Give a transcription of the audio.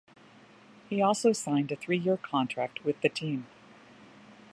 He also signed a three-year contract with the team.